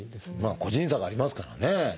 個人差がありますからね。